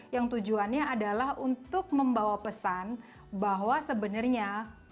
yang tujuannya adalah untuk membawa pesan bahwa sebenarnya